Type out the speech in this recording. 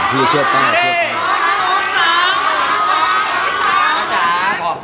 พี่เจ้าจ๊า